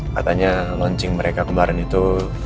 katanya launching mereka kemarin itu